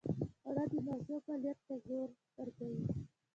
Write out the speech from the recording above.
خوړل د مغزو فعالیت ته زور ورکوي